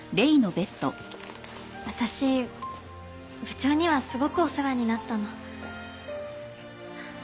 私部長にはすごくお世話になったの。